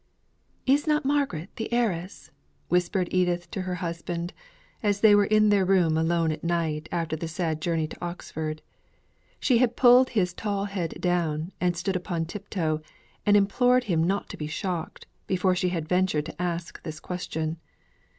"Is not Margaret the heiress?" whispered Edith to her husband, as they were in their room alone at night after the sad journey to Oxford. She had pulled his tall head down, and stood upon tiptoe, and implored him not to be shocked, before she ventured to ask this question.